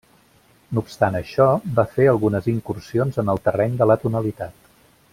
No obstant això, va fer algunes incursions en el terreny de l'atonalitat.